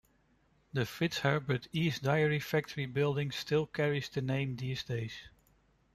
The Fitzherbert East Dairy Factory building still carries the name these days.